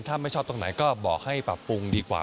ถ้าไม่ชอบตรงไหนก็บอกให้ปรับปรุงดีกว่า